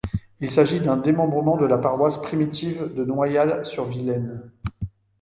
Il s'agit d'un démembrement de la paroisse primitive de Noyal-sur-Vilaine.